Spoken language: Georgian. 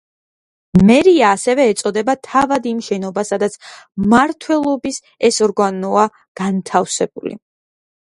მერია ასევე ეწოდება თავად იმ შენობას, სადაც მმართველობის ეს ორგანოა განთავსებული.